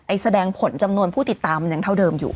แสดงผลจำนวนผู้ติดตามมันยังเท่าเดิมอยู่